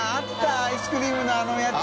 アイスクリームのあのやつ。